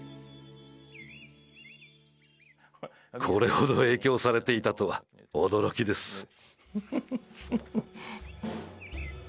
これほど影響されていたとは驚きです。